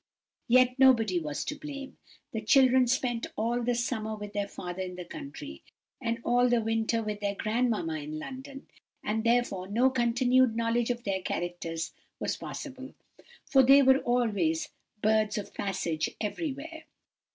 Yet nobody was to blame; the children spent all the summer with their father in the country, and all the winter with their grandmamma in London; and, therefore, no continued knowledge of their characters was possible, for they were always birds of passage everywhere.